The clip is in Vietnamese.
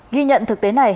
ghi nhận thực tế này